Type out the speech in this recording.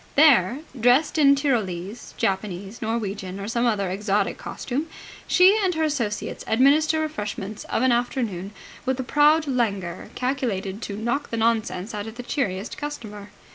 There, dressed in Tyrolese, Japanese, Norwegian, or some other exotic costume, she and her associates administer refreshments of an afternoon with a proud languor calculated to knock the nonsense out of the cheeriest customer.